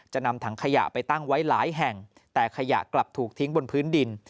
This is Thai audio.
นำถังขยะไปตั้งไว้หลายแห่งแต่ขยะกลับถูกทิ้งบนพื้นดิน